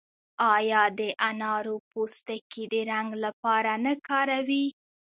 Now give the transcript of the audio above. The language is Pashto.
آیا د انارو پوستکي د رنګ لپاره نه کاروي؟